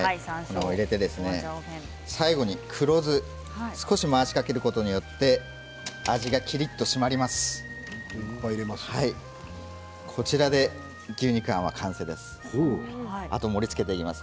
最後に黒酢少し回しかけることによって味が、きりっと締まります。